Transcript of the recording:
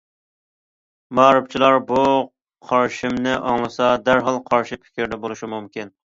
مائارىپچىلار بۇ قارىشىمنى ئاڭلىسا، دەرھال قارشى پىكىردە بولۇشى مۇمكىن.